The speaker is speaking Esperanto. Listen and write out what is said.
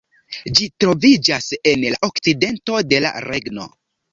Ĝi troviĝas en la okcidento de la regno.